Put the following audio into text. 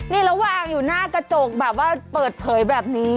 นี่แล้ววางอยู่หน้ากระจกแบบว่าเปิดเผยแบบนี้